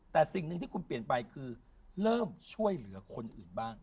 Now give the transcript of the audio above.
แต่สิ่งหนึ่งที่คุณเปลี่ยนไปคือเริ่มช่วยเหลือคนอื่นบ้าง